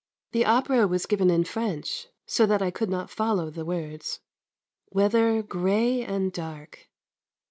The opera was given in French, so that I could not follow the words. Weather grey and dark.